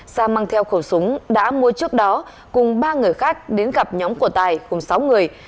sa mang theo khẩu súng đã mua trước đó cùng ba người khác đến gặp nhóm của tài cùng sáu người